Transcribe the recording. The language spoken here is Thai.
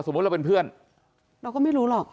เราเป็นเพื่อนเราก็ไม่รู้หรอก